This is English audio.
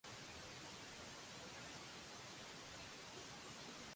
It is possible to access the fort on foot from the Wilson Trail.